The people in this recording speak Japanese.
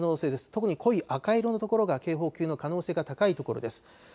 特に濃い赤色の所が警報級の可能性が高い所です。